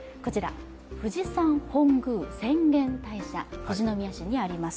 富士山本宮浅間大社、富士宮市にあります。